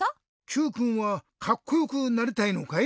Ｑくんはカッコよくなりたいのかい？